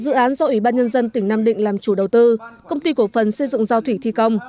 dự án do ủy ban nhân dân tỉnh nam định làm chủ đầu tư công ty cổ phần xây dựng giao thủy thi công